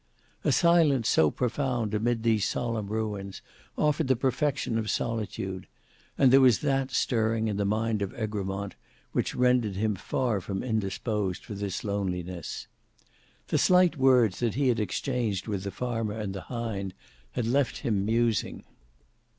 A silence so profound amid these solemn ruins, offered the perfection of solitude; and there was that stirring in the mind of Egremont which rendered him far from indisposed for this loneliness. The slight words that he had exchanged with the farmer and the hind had left him musing.